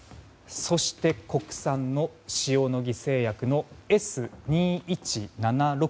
そして国産の塩野義製薬のＳ‐２１７６２２です。